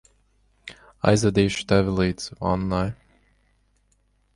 Aizvedīšu tevi līdz vannai.